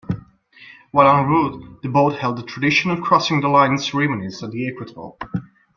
While en route, the boat held the traditional crossing-the-line ceremonies at the equator.